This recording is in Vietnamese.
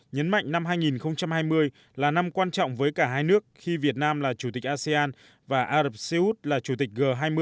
nhấn mạnh năm hai nghìn hai mươi là năm quan trọng với cả hai nước khi việt nam là chủ tịch asean và ả rập xê út là chủ tịch g hai mươi